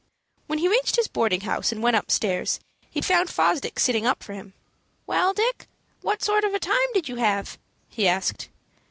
When he reached his boarding house, and went upstairs, he found Fosdick sitting up for him. "Well, Dick, what sort of a time did you have?" he asked.